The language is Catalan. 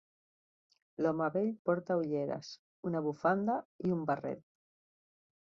L'home vell porta ulleres, una bufanda i un barret.